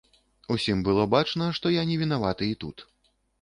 Усім было бачна, што я не вінаваты і тут.